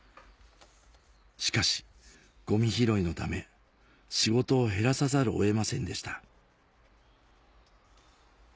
しかしゴミ拾いのため仕事を減らさざるを得ませんでした